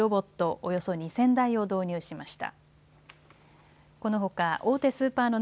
およそ２０００台を導入しました。